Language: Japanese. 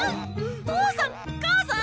父さん⁉母さん⁉